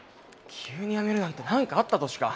急にやめるなんて何かあったとしか。